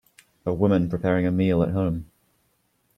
A woman preparing a meal at home.